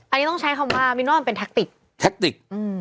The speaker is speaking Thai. อันนี้ต้องใช้คำว่ามีนว่ามันเป็นแทคติก